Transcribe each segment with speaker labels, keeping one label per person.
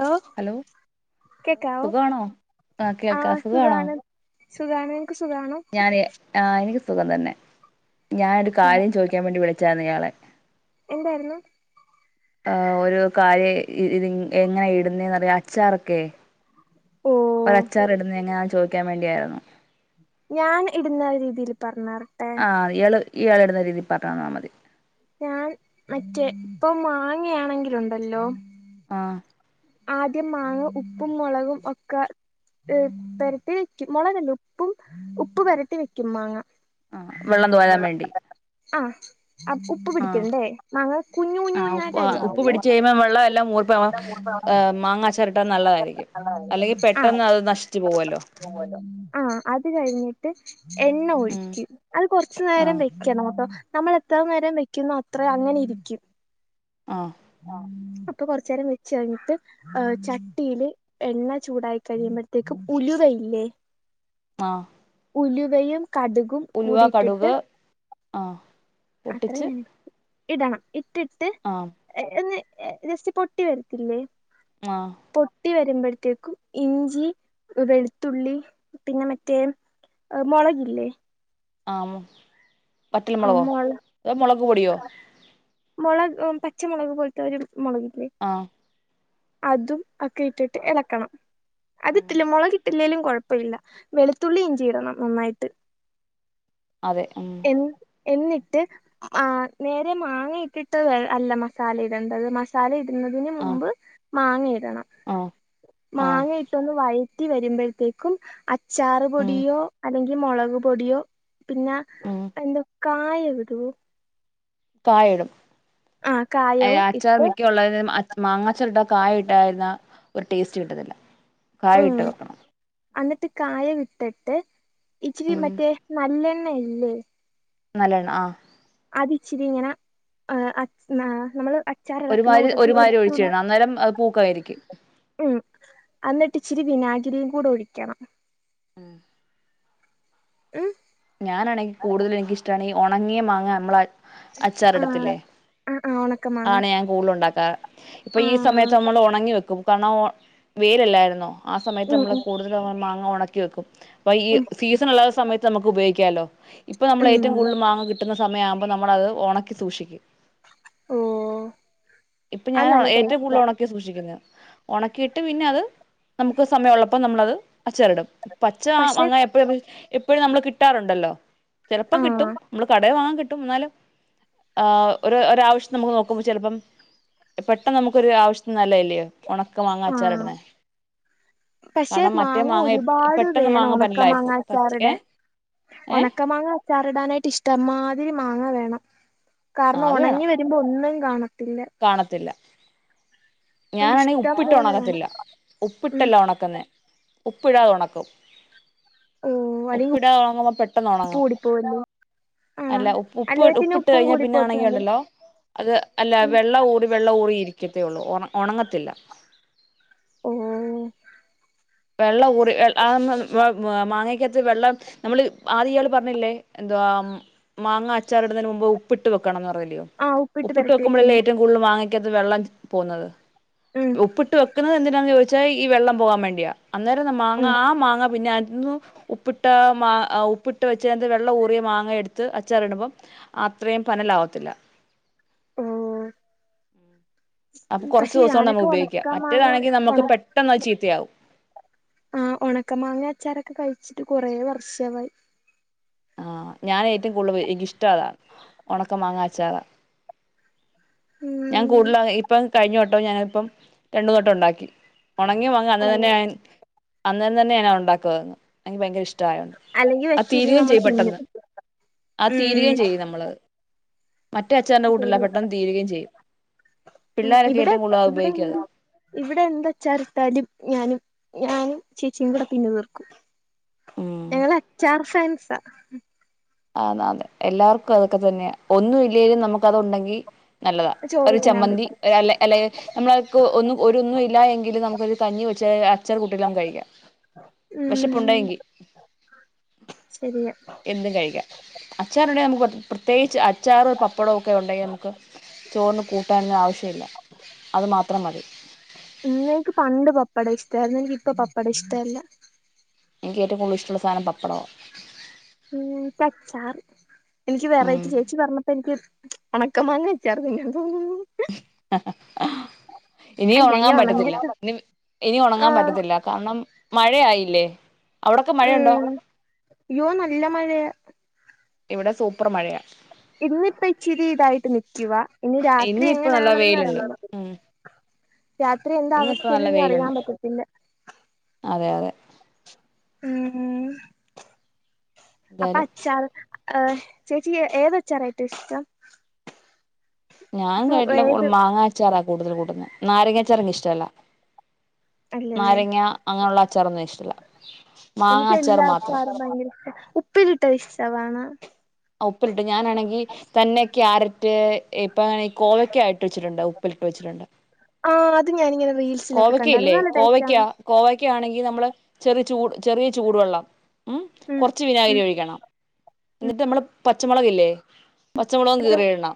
Speaker 1: Law
Speaker 2: hello
Speaker 1: കേക്കാവോ
Speaker 2: സുഖമാണോ ആ കേൾക്കാ
Speaker 1: ആഹ്
Speaker 2: സുഖമാണോ
Speaker 1: സുഖാണ് സുഖാണ് സുഖാണോ
Speaker 2: ഞാന് ആഎനിക്ക് സുഖം തന്നെ ഞാനൊരു കാര്യം ചോദിക്കാൻ വേണ്ടി വിളി റ്റ്ഇയാളെ
Speaker 1: എന്തായിരുന്നു
Speaker 2: ആ ഒരു കാര്യ ഇത് എങ്ങനെയ ഇടുന്നേന്നറിയാൻ അച്ചാറൊക്കെ ഒരു അച്ചാർ ഇടുന്നെങ്ങനാ ചോദിക്കാൻ വേണ്ടിയായിരുന്നു
Speaker 1: ഞാൻ ഇടുന്ന രീതിയിൽ പറ പർഞ്ഞതരട്ടെ
Speaker 2: ഇയാളിടുന്ന രീതിയിൽ പറഞ്ഞ്തന്നാൽ മതി
Speaker 1: ഞാൻ മറ്റേ ഇപ്പൊ മാങ്ങയാണെങ്കില് ഉണ്ടല്ലോ
Speaker 2: ആ
Speaker 1: ആദ്യം മാങ്ങ ഉപ്പും മുളകും ഒക്കെ പെരട്ടി വെക്കും മുളകല്ല ഉപ്പും ഉപ്പ് പെരട്ടി വെക്കും മാങ്ങ
Speaker 2: ആ വെള്ളം തോരാൻ വേണ്ടി
Speaker 1: ആഹ് അപ് ഉപ്പ്
Speaker 2: ആ
Speaker 1: പിടിക്കണ്ടേ മാങ്ങ കുഞ്ഞു കുഞ്ഞു
Speaker 2: ആ
Speaker 1: കുഞ്ഞാ
Speaker 2: ഉപ്പ് ഉപ്പ്
Speaker 1: യിട്ടരിയാവുള്ളെ
Speaker 2: ഏഹ് മാങ്ങാ
Speaker 1: ആ
Speaker 2: അത് നശിച്ചു പോവല്ലോ
Speaker 1: ആഹ് അത് കഴിഞ്ഞിട്ട് എണ്ണ
Speaker 2: ഉം
Speaker 1: ഒഴിക്കും അത് കൊറച്ചു
Speaker 2: ആ
Speaker 1: നേരം വെക്കണോട്ടോ നമ്മൾ എത്ര നേരം വെക്കുന്നോ അത്ര അങ്ങനെ ഇരിക്കും
Speaker 2: ആഹ്
Speaker 1: അപ്പൊ കൊറച്ച് നേരം വെച്ച് കഴിഞ്ഞിട്ട് ചട്ടീല് എണ്ണ ചൂടായി കഴിയുമ്പഴ്ത്തേക്കും ഉലുവയില്ലേ
Speaker 2: ആഹ്
Speaker 1: ഉലുവയും കടുകും കൂടിട്ടിട്ട്
Speaker 2: ആ പൊട്ടിച്ച്
Speaker 1: അത്രയും ഇടണം ഇട്ടിട്ട്
Speaker 2: ആഹ്
Speaker 1: എന്ന് ജസ്റ്റ് പൊട്ടി വരത്തില്ലേ
Speaker 2: ആഹ്
Speaker 1: പൊട്ടി വെ വെരുമ്പഴ്ത്തേക്കും ഇഞ്ചി വെളുത്തുള്ളി പിന്നെ മറ്റേ ഏ മുളകില്ലേ
Speaker 2: ആം വറ്റൽ
Speaker 1: ആ
Speaker 2: മുളകോ
Speaker 1: മുള
Speaker 2: അതോഹ് മൊള കൂടിയോ
Speaker 1: മുളക് ഉം പച്ചമുളക് പോലത്തെ ഒരു മുളക്
Speaker 2: ആഹ്
Speaker 1: അതും ഒക്കെ ഇട്ടിട്ട് എളക്കണം അതിട്ടില്ല മുളകിട്ടില്ലെലും കൊഴപ്പില്ല വെളുത്തുള്ളീം ഇഞ്ചിം ഇടണം നന്നായിട്ട്
Speaker 2: അതെ ഉം
Speaker 1: എ എന്നിട്ട് ആ നേരെ മാങ്ങ ഇട്ടിട്ട് അല്ല മസാല ഇടണ്ടത് മസാല ഇട്ട് ന്നതിന്
Speaker 2: ആഹ്
Speaker 1: മുമ്പ് മാങ്ങ ഇടണം
Speaker 2: ആഹ് ആഹ്
Speaker 1: മാങ്ങയിട്ടൊന്ന് വഴ റ്റി വരുമ്പഴ്ത്തേക്കും അ
Speaker 2: ഉം
Speaker 1: ച്ചാറ്പൊടിയോ അല്ലെങ്കി ഈ മുളക് പൊടിയോ പിന്ന
Speaker 2: ഉം
Speaker 1: എന്ത്‌ കായമിടൊ
Speaker 2: കായ ഇടും
Speaker 1: ആ
Speaker 2: ഏഹ്
Speaker 1: കായവും
Speaker 2: അച്ചാർ
Speaker 1: ഇട്ട്
Speaker 2: മിക്കള്ളേനും അച് മാങ്ങച്ചാറിട്ടാ കായ ഇട്ടായിരുന്ന ഒരു ടേസ്റ്റ് കിട്ടത്തില്ല കായം
Speaker 1: ഉം
Speaker 2: ഇട്ട് വെക്കണം
Speaker 1: എന്നിട്ട് കായം ഇട്ടിട്ട് ഇച്ചിരി
Speaker 2: ഉം
Speaker 1: മറ്റേ നല്ലണ്ണ നെല്ല്
Speaker 2: നല്ലണ്ണ ആഹ്
Speaker 1: അത് ഇച്ചിരി ഇങ്ങന ആഹ് നമ്മള് ചാറളക്കുന്ന
Speaker 2: ഒരുമാതിരി
Speaker 1: കൂട്ടത്തിൽ
Speaker 2: ഒരുമാതിരി
Speaker 1: ഉ
Speaker 2: ഒഴിച്ചിടണം അന്നേരം അത് പൂക്കായിരിക്കും
Speaker 1: ഉം അന്നിട്ട് ഇച്ചിരി വിനാകി ഇച്ചിരിയും കൂടെ ഒഴിക്കണം
Speaker 2: ഉം
Speaker 1: മ്
Speaker 2: ഞാനാണെങ്കിൽ കൂടുതല് എനിക്ക് ഇഷ്ടാണെങ്കിൽ ഒണങ്ങിയ മാങ്ങ നമ്മള
Speaker 1: ആ
Speaker 2: അച്ചാറിടത്തില്ലേ
Speaker 1: ആ ആ ഉണക്കമാങ്ങ
Speaker 2: ആണ് ഞാന് കൂളും ഉണ്ടാക്കാ ഇപ്പൊ
Speaker 1: ആ
Speaker 2: ഈ സമയത്ത് നമ്മൾ ഒണങ്ങി വെക്കും കണോ വേരല്ലായിരുന്നോ ആ സമയത്ത്
Speaker 1: ഉം
Speaker 2: നമ്മള്
Speaker 1: ഉം
Speaker 2: കൂടുതല് [unintelligible] മാ ഒണക്കി വെക്കും അപ്പം ഈ
Speaker 1: ഉം
Speaker 2: സീസണുള്ള സമയത്ത് നമുക്ക് ഉപയോ ക്ക്യാല്ലോ ഇപ്പം നമ്മള് ഏറ്റവും
Speaker 1: ഉം
Speaker 2: കുടുതൽ മാങ്ങ കിട്ടുന്ന സമയാവുമ്പോൾ നമ്മള് അത് ഒണക്കി സൂക്ഷിക്കും
Speaker 1: ഉം
Speaker 2: ഇപ്പം ഞാൻ ഏറ്റവും
Speaker 1: ടേസ്റ്റാ
Speaker 2: കൂടുതൽ ഒണക്കി സൂക്ഷിക്കുന്നെ ഒണക്കിയിട്ട് പിന്നെ അത് നമുക്ക് സമയ ഉള്ളപ്പോ നമ്മളത് അച്ചാറിടും പച്ച
Speaker 1: പക്ഷെ
Speaker 2: മാങ്ങ എപ്പഴു എപ്പഴു എപ്പഴും നമക്ക് കിട്ടാറുണ്ടല്ലോ
Speaker 1: ആ
Speaker 2: ചെലപ്പം കിട്ടും നമ്മള് കടേ വാങ്ങാൻ കിട്ടും എന്നാലും ആ ഒരു ഒരാവശ്യത്തിന് നമുക്ക് നോക്കുമ്പോ ചിലപ്പം പെട്ടെന്ന് നമുക്കൊരു ആവശ്യത്തിന് നല്ലെയല്ലിയോ
Speaker 1: ആഹ് പക്ഷെ
Speaker 2: കാരണം മറ്റേ
Speaker 1: മാങ്ങ ഒരുപാട്
Speaker 2: പെട്ടെന്ന്
Speaker 1: വേണം
Speaker 2: മാങ്ങ
Speaker 1: ഉണക്ക മാങ്ങ
Speaker 2: പന്നലായിപ്പോവും പച്ച
Speaker 1: അച്ചാറിടാൻ
Speaker 2: ഏഹ് ഏഹ്
Speaker 1: ഉണക്ക മാങ്ങ അച്ചാറിടാനായിട്ട് ഇഷ്ടം മാതിരി മാങ്ങ വേ ണം കാരണം
Speaker 2: ആഹ് അത് വേണം
Speaker 1: ഒണങ്ങി വരുമ്പോ ഒന്നും കാണ
Speaker 2: കാണത്തില്ല
Speaker 1: അതുകൊണ്ട്
Speaker 2: ഞാനാണെങ്കിൽ
Speaker 1: ഇഷ്ടം
Speaker 2: ഉപ്പിട്ട്
Speaker 1: പോലെ വേണം
Speaker 2: ഒണക്കത്തില്ല
Speaker 1: ഉം
Speaker 2: ഉപ്പിട്ടല്ല ഒണക്കുന്നെ ഉപ്പിടാതെ ഒണക്കും
Speaker 1: ഓ അല്ലെങ്കി
Speaker 2: ഉപ്പിടാതെ ഉണങ്ങുമ്പോ പെട്ടെന്ന്
Speaker 1: ഉപ്പ്
Speaker 2: ഒണങ്ങും
Speaker 1: കൂടിപ്പോവല്ലോ ആണോ
Speaker 2: അല്ല ഉപ്പ് ഉപ്പ്
Speaker 1: അല്ലെ പിന്നെ
Speaker 2: ഉപ്പിട്ട്
Speaker 1: ഉപ്പും
Speaker 2: കഴിഞ്ഞാ പിന്നെ
Speaker 1: കൂടിപ്പോവത്തില്ലേ
Speaker 2: ആണങ്കിലുണ്ടല്ലോ അത് അല്ല
Speaker 1: ഉം
Speaker 2: വെള്ള ഊറി വെള്ള ഊറിയിരിക്കും ത്തേ ഉള്ളൂ ഉണങ്ങത്തില്ല.
Speaker 1: ഓ.
Speaker 2: വെള്ളം ഊറി [unintelligible] മാങ്ങക്കകത്ത് വെള്ളം നമ്മള് ആദ്യം ഇയാള് പറഞ്ഞില്ലേ എന്തുവാ മാങ്ങ അച്ചാർ ഇടുന്നതിന് മുമ്പ് ഉപ്പിട്ട് വെക്കണംന്ന്. [unintelligible] അല്ലിയോ
Speaker 1: ആ
Speaker 2: ഉപ്പിട്ട്
Speaker 1: പെരട്ടി വെക്കും
Speaker 2: വെക്കുമ്പഴല്ലേ
Speaker 1: ഞാൻ.
Speaker 2: ഏറ്റവും കൂടുതൽ മാങ്ങ ത്ത് വെള്ളം പോന്നത്
Speaker 1: ഉം
Speaker 2: ഉപ്പിട്ട് വെ എന്തിനാണെന്ന് ചോദിച്ചാ ഈ വെള്ളം പോകാൻ വേണ്ടിയാ അന്നേരം ന്ന മാങ്ങ
Speaker 1: ഉം
Speaker 2: ആ മാങ്ങ പിന്നെ ഉപ്പിട്ട മാ ഉപ്പിട്ട് വെച്ചതിന്റെ വെള്ളം ഊറിയ മാങ്ങ എടുത്ത് അച്ചാർ ഇടുമ്പം അത്രയും പന്നലാവത്തില്ല.
Speaker 1: മ്
Speaker 2: അപ്പൊ കുറച്ച്
Speaker 1: പക്ഷെ
Speaker 2: ദിവസം കൊണ്ട്
Speaker 1: ഞാനൊക്കെ
Speaker 2: നമുക്ക് ഉപയോഗിക്കാം
Speaker 1: ഉണക്ക മാങ്ങ
Speaker 2: മറ്റേതാണെങ്കിൽ
Speaker 1: ഒണ
Speaker 2: നമുക്ക് പെട്ടെന്ന് അത് ചീത്തയാവും
Speaker 1: ആഹ് ഉണക്ക മാങ്ങ അച്ചാറൊക്കെ കഴി വച്ചിട്ട് കൊറേ വർഷവായി
Speaker 2: ആഹ്, ഞാൻ ഏറ്റവും കൂടുതൽ [unintelligible] ഇഷ്ടം അതാ ഉണക്ക മാങ്ങ അച്ചാറാ. ഞാൻ
Speaker 1: ഉം
Speaker 2: കൂടുതലാ ഇപ്പൊ കഴിഞ്ഞോ ഇപ്പ ഞാനിപ്പം രണ്ടൂ [unintelligible] ട്ടം ഉണ്ടാക്കി. ഉണങ്ങ്യ മാങ്ങ അന്ന് തന്നെ ഞാൻ അന്നേരം തന്നെ ഞാനത് ഉണ്ടാക്കു [unintelligible] എനിക്ക് ഭയങ്കര ഇഷ്
Speaker 1: അല്ലെങ്കി വെച്ചിരുന്ന് നമ്മള്
Speaker 2: പെട്ടെന്ന് ആഹ് തീരുകയും ചെയ്യും നമ്മളത്. മറ്റേ അച്ചാറിന്റെ കൂട്ടല്ല
Speaker 1: [unintelligible]
Speaker 2: പെട്ടെന്ന് തീരുകയും ചെയ്യും പിള്ളേരൊക്കെ
Speaker 1: ഇവിടെ
Speaker 2: ഏറ്റവും കൂടുതൽ അത് ഉപയോഗിക്കും
Speaker 1: ഇവിടെന്ത്
Speaker 2: അത്
Speaker 1: ഇവിടെ എന്ത് അച്ചാറിട്ടാലും ഞാനും ഞാനും ചേച്ചിം കൂടെ തിന്നു തീർക്കും.
Speaker 2: ഉം
Speaker 1: ഞങ്ങള് അച്ചാർ ഫ്രൻസാ.
Speaker 2: [unintelligible] എല്ലാവർക്കും അതൊക്കെ തന്നെയാ ഒന്നും ഇല്ലേലും നമുക്ക് അത് ഉണ്ടെങ്കീ നല്ലതാ
Speaker 1: ചോറ്
Speaker 2: ഒരു
Speaker 1: തിന്നാൻ
Speaker 2: ചമ്മന്തി
Speaker 1: പറ്റും
Speaker 2: അല്ലെ അല്ലെ നമ്മളക്ക് ഒന്നും ഒരു ഒന്നും ഇല്ല എങ്കിലും നമുക്കൊരു കഞ്ഞി വെച്ച് അച്ചാർ കൂട്ടിയെല്ലാം കഴിക്കാം.
Speaker 1: ഉം
Speaker 2: വിശപ്പുണ്ടെങ്കിൽ
Speaker 1: ശരിയാ.
Speaker 2: എന്തും കഴിക്കാം അച്ചാറുണ്ടെ നമുക്ക് പ്രത്യേകിച്ച് അച്ചാറും പപ്പടവൊക്കെ ഉണ്ടെങ്കി നമുക്ക് ചോറിന് കൂ കൂട്ടാന് ആവശ്യല്ല. അതു മാത്രം മതി.
Speaker 1: ഉം എനിക്ക് പണ്ട് പപ്പടം ഇഷ്ടയിരുന്നു എനിക്ക് ഇപ്പ പപ്പടം ഇഷ്ടല്ല.
Speaker 2: എനിക്ക് ഏറ്റവും കൂടുതൽ ഇഷ്ടള്ള സാധനം പാപ്പടവാ.
Speaker 1: ഉം അച്ചാർ എനിക്ക്
Speaker 2: ഉം
Speaker 1: വെറൈറ്റി ചേച്ചി പറഞ്ഞപ്പോ എനിക്ക് ഒണക്കമാങ്ങ അച്ചാറ് തിന്നാൻ തോന്നുന്നു.
Speaker 2: ഇനി
Speaker 1: അയ്യോ
Speaker 2: ഉണങ്ങാൻ
Speaker 1: ഒണങ്ങിയ
Speaker 2: പറ്റത്തില്ല ഇനി ഇനി ഉണങ്ങാൻ
Speaker 1: ആഹ്
Speaker 2: പറ്റത്തില്ല കാരണം മഴ ആയില്ലേ
Speaker 1: ഉം യ്യോ നല്ല മഴയാ
Speaker 2: ഇവിടെ സൂപ്പറ് മഴയാ
Speaker 1: ഇന്നിപ്പ ഇച്ചിരി ഇതായിട്ട് നിക്കുവാ ഇനി രാത്രി
Speaker 2: ഇന്നിപ്പോ നല്ല
Speaker 1: എങ്ങനാണെന്ന്
Speaker 2: വെയിലുണ്ട്
Speaker 1: അറിയണം
Speaker 2: ഉം
Speaker 1: രാത്രി എന്താ
Speaker 2: ഇന്നിപ്പോ നല്ല
Speaker 1: അവസ്ഥയെന്ന് ഇനി അറിയാൻ
Speaker 2: വെയിലുണ്ട്
Speaker 1: പറ്റത്തില്ല
Speaker 2: അതെ അതെ
Speaker 1: ഉം
Speaker 2: എന്തായാലും
Speaker 1: അപ്പച്ചാറ് ഏഹ് ചേച്ചി ഏത് അച്ചാറാ ഏറ്റോം ഇഷ്ടം
Speaker 2: ഞാൻ
Speaker 1: ഫ്രൂ
Speaker 2: കേട്ടില്ല കോള്
Speaker 1: ഏത്
Speaker 2: മാങ്ങാച്ചാറ കൂടുതൽ കൂട്ടുന്നെ നാരങ്ങ അച്ചാർ എനിക്ക് ഇഷ്ടല്ല
Speaker 1: അല്ലല്ലേ
Speaker 2: നാരങ്ങ അങ്ങനെള്ള അച്ചാറൊന്നും ഇഷ്ടല്ല മാങ്ങ
Speaker 1: എനിക്ക്
Speaker 2: അച്ചാർ മാത്രം
Speaker 1: എല്ലാച്ചാറും ഭയങ്കര ഇഷ്ട ഉപ്പിലിട്ടത് ഇഷ്ട്ടവാണോ
Speaker 2: ഉപ്പിലിട്ട് ഞാനാണെങ്കി തന്നെ ക്യാരറ്റ് ഇപ്പങ്ങനെ കോവക്കയ ട്ട് വെച്ചിട്ടുണ്ട് ഉപ്പിലിട്ട് വെച്ചിട്ടുണ്ട്
Speaker 1: ആഹ് അത് ഞാനിങ്ങനെ റീൽസിലൊക്കെ
Speaker 2: കോവക്കയില്ലേ
Speaker 1: കണ്ടായിരുന്നു നല്ല
Speaker 2: കോവക്ക
Speaker 1: ടേസ്റ്റാണ്
Speaker 2: കോവക്കയാണെങ്കി നമ്മള് ചെറു ചൂട് ചെറിയ ചൂട് വെള്ളം ഉം കൊറച്ച് വിനാഗരി ഒഴിക്കണം ന്നിട്ട് നമ്മള് പച്ചമുളകില്ലേ പച്ചമോളകും കീറി ഇടണം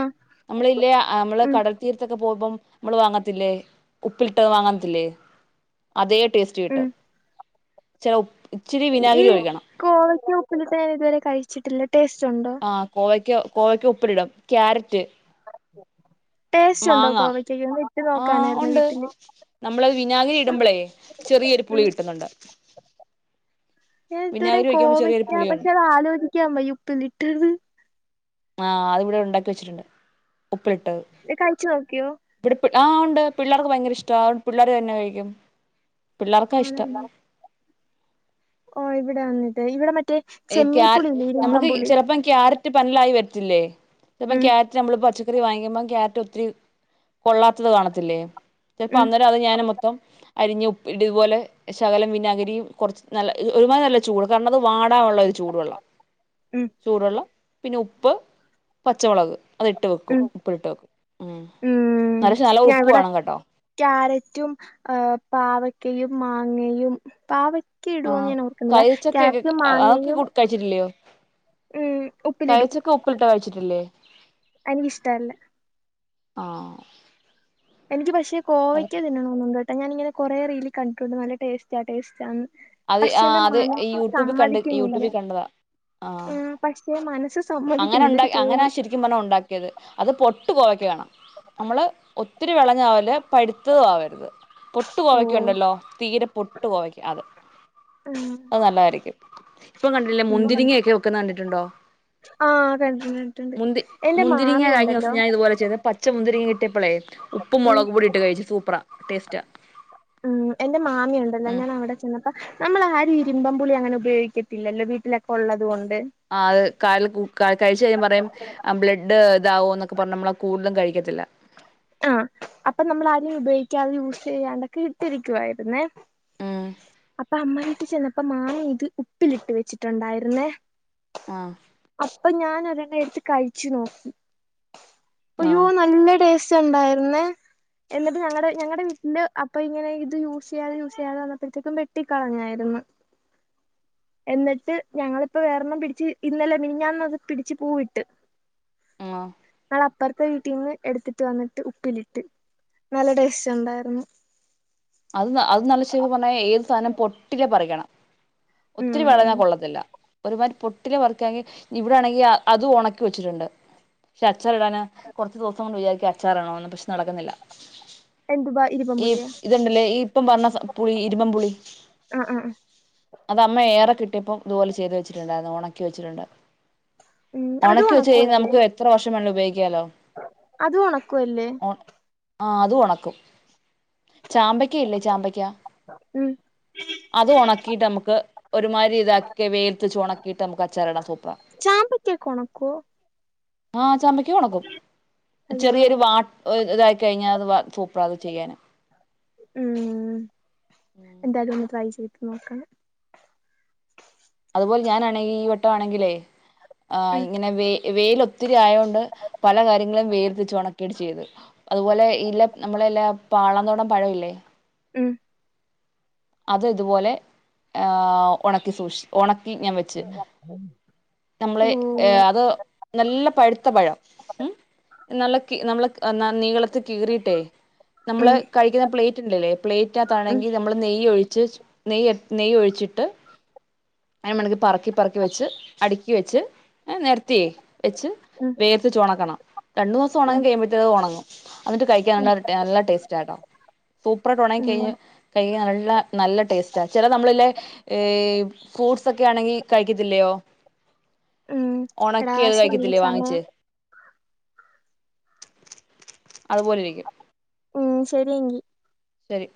Speaker 1: ആഹ്
Speaker 2: നമ്മള് ഇല്ലേ നമ്മള്
Speaker 1: ഉം
Speaker 2: കടൽ തീരത്തൊക്കെ പോകുമ്പം നമ്മള് വാങ്ങത്തില്ലേ ഉപ്പിലിട്ട വാങ്ങത്തില്ലേ അതേ ടേസ്റ്റ് കിട്ടും
Speaker 1: ഉം
Speaker 2: ഇചാര ഉ ഇച്ചിരി
Speaker 1: ഈ
Speaker 2: വിനാഗിരി ഒഴിക്കണം
Speaker 1: കോവക്ക ഉപ്പിലിട്ടത് ഞാൻ ഇതുവരെ കഴിച് ച്ചിട്ടില്ല
Speaker 2: ആ കോവയ്ക്ക കോവയ്ക്ക ഉപ്പിലിടും ക്യാരറ്റ്
Speaker 1: ടേസ്റ്റ് ഉണ്ടോ
Speaker 2: മാങ്ങ
Speaker 1: കോവയ്ക്കക്ക് ഒന്ന് ഇട്ട്
Speaker 2: ആ
Speaker 1: നോക്കാനായിരുന്നു
Speaker 2: ഒണ്ട്
Speaker 1: വീട്ടില്
Speaker 2: നമ്മളത് വിനാഗിരി ഇടുമ്പോളേ ചെറിയൊരു
Speaker 1: ഉം
Speaker 2: പുളി കിട്ടുന്നൊണ്ട്
Speaker 1: ഞാൻ ഇതുവരെ
Speaker 2: ചെറിയൊരു
Speaker 1: കോവയ്ക്ക പക്ഷെ
Speaker 2: പുളിയുണ്ട്
Speaker 1: അത് ആലോചിക്കാ വയ്യ ഉപ്പിലിട്ടത്
Speaker 2: ആഹ് അത് ഇവിടെ ഒണ്ടാക്കി വെച്ചിട്ടുണ്ട്
Speaker 1: ഇത് കഴിച്ചു നോക്കിയോ
Speaker 2: ആഹ് ഇണ്ട് പിള്ളേർക്ക് ഭയങ്കര ഇഷ്ടവാ പിള്ളേര് തന്നെ കഴിക്കും പിള്ളേർക്കാ ഇഷ്ടം
Speaker 1: ആണല്ലേ ഓ ഇവിടെ ന്നിട്ട ഇവടെ മ
Speaker 2: ഈ ക്യാ നമുക്ക് ചിലപ്പം ക്യാര [unintelligible] ഇപ്പ
Speaker 1: ഉം
Speaker 2: ക്യറ്റ് [unintelligible] [unintelligible] വാങ്ങുമ്പം കാരറ്റ് ഒത്തിരി കൊള്ളാത്തത് കാണത്തില്ലേ ചിലപ്പോ
Speaker 1: ഉം
Speaker 2: അന്നേരം അത് ഞാന് മൊത്തം അരിഞ്ഞ് ഉപ്പ ഇ ഇതുപോലെ ശകലം വിനഗരിയും കുറച്ച് നല്ല ഒരുമാതി നല്ല ചൂട് കാരണം വാ [unintelligible] ചൂടുവെള്ളം
Speaker 1: ഉം
Speaker 2: ചൂടള്ള പിന്നെ ഉപ്പ് പച്ചമുളക് അത് ഇട്ട് വെക്കും
Speaker 1: ഉം
Speaker 2: ഉപ്പ് ഇട്ട് വെക്കും മ്
Speaker 1: ഉം
Speaker 2: നരശ നല്ല ഉപ്പ് വേണം കേട്ടോ
Speaker 1: റ്റും ആ പാവക്കയും മാങ്ങയും പാവ
Speaker 2: ആ കഴിച്ചൊക്കെ ഇട് അതൊക്കെ
Speaker 1: മാങ്ങയും
Speaker 2: കുട് കഴിച്ചിട്ടില്ലയോ
Speaker 1: ഉം
Speaker 2: കഴിച്ചൊക്കെ ഉപ്പിലിട്ടാ കഴിച്ചിട്ടില്ലേ
Speaker 1: എനിക്കിഷ്ടവല്ല
Speaker 2: ആഹ്
Speaker 1: എനിക്ക് പക്ഷേ കോവയ്ക്ക തിന്നനോന്ന്ണ്ട് ഞാന്ങ്ങനെ കൊറെ റീല് കണ്ടിട്ടുണ്ട് നല്ല ടേസ്റ്റ ടേസ്റ്റന്ന്
Speaker 2: അത് ആ അത് യൂട്യൂബിൽ കണ്ട
Speaker 1: സമ്മതിക്കുന്നില്ല
Speaker 2: യൂട്യൂബിൽ കണ്ടതാ ആ
Speaker 1: ആഹ് പക്ഷെ മനസ്സ് സമ്മതിക്കുന്നില്ല
Speaker 2: അങ്ങനെണ്ട
Speaker 1: ഒരു
Speaker 2: അങ്ങനെ
Speaker 1: പേടി
Speaker 2: ശരിക്കും പർഞ്ഞാ ഉണ്ടാക്കിയത് അത് പൊട്ടു പോവേക്ക് വേണം നമ്മള് ഒത് ത്തിരി വിളഞ്ഞാവല് പയ്‌ത്തതും ആവര്ത് പൊട്ട്
Speaker 1: ഓ
Speaker 2: കോവയ്ക്കുണ്ടല്ലോ തീരെ പൊട്ട് കോവയ്ക്ക അത്
Speaker 1: ആഹ്
Speaker 2: അത് നല്ലതായിരിക്കും ഇപ്പൊ കണ്ടില്ല
Speaker 1: ഉം
Speaker 2: മുന്തിരിങ്ങൊക്കെ വെക്കുന്ന കണ്ടിട്ടുണ്ടോ
Speaker 1: ആഹ് കണ്ടിട്ടുണ്ട് കണ്ടിട്ടുണ്ട്
Speaker 2: മുന്തി
Speaker 1: എന്റെ
Speaker 2: മുന്തിരിങ്ങ
Speaker 1: മാമി
Speaker 2: കഴിഞ്ഞോസം
Speaker 1: ഉണ്ടല്ലോ
Speaker 2: ഞാൻ ഇതുപോലെ ചെയ്ത പച്ച മുന്തിരിയും കിട്ടിയപ്പളെ ഉപ്പും
Speaker 1: ഉം
Speaker 2: മുളക് പൊടി ഇട്ട് കഴിച് സൂപ്പറാ ടേസ്റ്റ ഉം
Speaker 1: ചെന്നപ്പം നമ്മളാരും ഇരുമ്പം പുളി അങ്ങനെ ഉപയോഗിക്കത്തില്ലല്ലോ വീട്ടിലൊക്കെ ഉള്ളത് കൊണ്ട്
Speaker 2: ആ അത് [unintelligible] കഴിച്ചയ്‌ഞാ പറയും ബ്ലഡ് ഇണ്ടാവോ എന്നൊക്കെ പറഞ്ഞ് നമ്മളാ കൂടുതല് കഴിക്കത്തില്ല.
Speaker 1: ആ അപ്പൊ നമ്മൾ ആരും ഉപയോഗിക്കാതെ യൂസ് ചെയ്യാണ്ടൊക്കെ ഇട്ടിരിക്കുവായിരുന്നേ
Speaker 2: ഉം
Speaker 1: അപ്പൊ അമ്മ വീട്ട് ചെന്നപ്പോ മാങ്ങ ഇത് ഉപ്പിലിട്ട് വെച്ചിട്ടുണ്ടായിരുന്നേ
Speaker 2: ആഹ്
Speaker 1: അപ്പൊ ഞാനൊരു അത് എടുത്ത് കഴിച്ചു നോക്കി. ഇയ്യോ
Speaker 2: ആഹ്
Speaker 1: നല്ല ടേസ് ച്ച്ണ്ടായിരുന്നേ എന്നിട്ട് ഞങ്ങടെ ഞങ്ങടെ വീട്ടില് അപ്പ ഇങ്ങനെ ഇത് യൂസ് ചെയ്യാതെ യൂസ് ചെയ്യാതെ വന്നപ്പോഴത്തേക്കും വെട്ടിക്കളഞ്ഞായിരുന്നു, എന്നിട്ട് ഞങ്ങളിപ്പോ വേറൊണ്ണം പിടിച്ച് ഇന്നലെ മിൻഞ്ഞാന്ന് അത് പിടിച്ച് പൂവിട്ട്.
Speaker 2: ആഹ്
Speaker 1: ങ്ങളപ്പർ ത്തെ വീട്ടീന്ന് എടുത്തിട്ട് ഇട്ട് വന്നിട്ട് ഉപ്പിലിട്ട് നല്ല ടേസ്റ്റ് ഒണ്ടായിരുന്നു
Speaker 2: അത് അത് നല്ലച്ചേ പറഞ്ഞ ഏ സാധനം പൊട്ടികെ പറിക്കണം ഒത്തിരി വെളഞ്ഞാ
Speaker 1: ഉം
Speaker 2: കൊള്ളത്തില്ല ഒരുമാതിരി പൊട്ടില വർക്കാെങ്കിൽ ഇവിടൊണെങ്കിൽ അതും ഉണക്കി വച്ചിട്ടുണ്ട് പക്ഷെ അച്ചാർ ഇടാൻ കുറച്ച ദിവസം കൊണ്ട് വിചാരിക്ക അച്ചാർണോന്ന് പക്ഷെ നടക്കുന്നില്ല
Speaker 1: എന്ത്പാ ഇര്മ്പൻപുളിയാ
Speaker 2: എ ഇപ്പം പറഞ്ഞ സ പുളി ഇരുമ്പംപുളി
Speaker 1: ആ ആ
Speaker 2: അത് അമ്മ ഏറെ കിട്ടിയപ്പോം ഇതുപോലെ ചെയ്തു വെച്ചിട്ടുണ്ടായിരുന്നു ഉണക്കി വച്ചിട്ടുണ്ട്
Speaker 1: ഉം അത്
Speaker 2: ഒണക്കി വെച്ച്
Speaker 1: ഒണക്കുവല്ലേ
Speaker 2: കഴിഞ്ഞാനമുക്ക് എത്ര വർഷ മണ് ഉപയോ
Speaker 1: അത് ഉണക്കു അല്ലേ
Speaker 2: ആ അതും ഒണക്കും ചാമ്പയ്ക്ക ഇല്ലേ ചാമ്പയ്ക്ക
Speaker 1: ഉം
Speaker 2: അത് ഒണക്കീട്ട് നമ്മക്ക് ഒരുമാതിരി ഇതാക്കി വേൽത്തെച്ച് ഒണക്കീട്ട് നമുക്ക് അച്ചാറിടാൻ സൂപ്പറാ
Speaker 1: ചാമ്പക്കൊക്കെ ഒണക്കുവോ
Speaker 2: ആ ചാമ്പക്കേം ഒണക്കും
Speaker 1: അയ്യോ
Speaker 2: ചെറിയൊരു വാ ഇതായി കഴിഞ്ഞാ അത് പ്രത് ചെയ്യാന്
Speaker 1: ഉം എന്തായാലും ഒന്ന് ട്രൈ ചെയ് നോക്കണം
Speaker 2: അതുപോെലെ ഞാനാണെങ്കി ഈ വട്ടമാണെങ്കിലേ ആ
Speaker 1: ഉം
Speaker 2: ഇങ്ങനെ വെ വെയിൽ ഒത്തിരി ആയോണ്ട് പല കാര്യങ്ങളും വെയ്ല ച്ചെ ഒണക്കിട്ട് ചെയ്ത് അതുപോലെ ഇല്ല നമ്മളല്ല പാളന്തോടം പഴമില്ലേ
Speaker 1: ഉം
Speaker 2: അത് ഇതുപോലെ ഏ ഒണക്കി സൂക്ഷി ഒണ ഇ ഞാൻ വെച്ച് നമ്മളെ
Speaker 1: ഓ
Speaker 2: ഏ അത് നല്ല പഴുത്ത പഴം ഉം നല്ല കീ നമ്മള് ന നീള ത്ത് കീറീട്ടേ നമ്മള്
Speaker 1: ഉം
Speaker 2: കഴിക്ക്ണ പ്ലേറ്റ്ണ്ടലെ പ്ലേറ്റിനകത്താണെങ്കി
Speaker 1: ഉം
Speaker 2: നമ്മള് നെയ്യ് ഒഴിച്ച് നെയ നെയ്യ് ഒഴിച്ചിട്ട് അതിന് മെണങ്കി പറക്കി പറക്കി വെച്ച് അടുക്കി വെച്ച് നിരത്തിയേ വെച്ച് വേയ്ത്ത്ട്ട് ഒണക്കണം രണ്ട്
Speaker 1: ഉം
Speaker 2: ദിവസാണങ്ങികയ്മ്പേത്തിനത് ഒണങ്ങും അന്നിട്ട് കഴിക്കാൻള്ള നല്ല ടേസ്റ്റ് ആട്ടോ സൂപ്പർഡ്രോണായി കയ്ഞ്ഞ്
Speaker 1: ഉം
Speaker 2: ഏയ്യ് അള്ള നല്ല ടേസ്റ്റാ ചെല നമ്മള്ല്ലേ ഏ ഫ്രൂട്സ് ഒക്കെ ആണെങ്കി കഴിക്കത്തില്ലയോ
Speaker 1: ഉം എടാ
Speaker 2: ഒണക്കി അത്
Speaker 1: ശരി
Speaker 2: കഴിക്കത്തില്ലേ
Speaker 1: സമയം
Speaker 2: വാങ്ങിച്ച് അതുപോലെ രിക്കും
Speaker 1: ഉം ശരിയങ്കി
Speaker 2: ശരി